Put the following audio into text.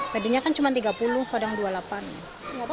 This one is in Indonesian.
tadinya kan cuma tiga puluh kadang dua puluh delapan